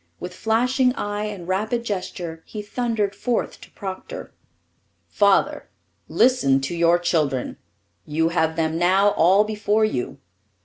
With flashing eye and rapid gesture he thundered forth to Procter: Father, listen to your children! You have them now all before you.